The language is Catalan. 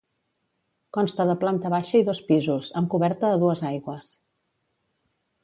Consta de planta baixa i dos pisos, amb coberta a dues aigües.